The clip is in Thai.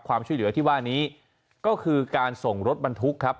ความช่วยเหลือที่ว่านี้ก็คือการส่งรถบรรทุกครับ